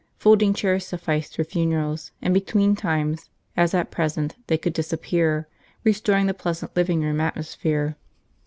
Folding chairs sufficed for funerals and between times, as at present, they could disappear, restoring the pleasant living room atmosphere.